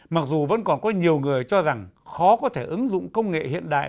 mặc dù vẫn còn có nhiều người cho rằng khó có thể ứng dụng công nghệ hiện đại